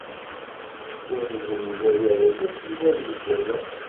Ur yenwa ara akk Yuba ad yeg aya.